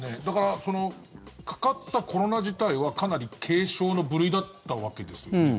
かかったコロナ自体はかなり軽症の部類だったわけですか？